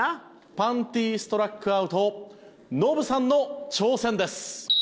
パンティストラックアウトノブさんの挑戦です。